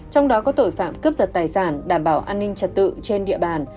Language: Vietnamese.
trong đó có tội phạm cướp giật tài sản đảm bảo an ninh trật tự trên địa bàn